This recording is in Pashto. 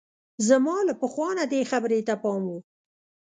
زما له پخوا نه دې خبرې ته پام وو.